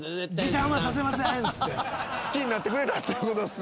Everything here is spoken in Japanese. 好きになってくれたってことっすね